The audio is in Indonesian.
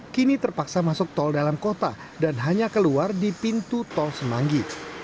kini terpaksa masuk tol dalam kota dan hanya keluar di pintu tol semanggi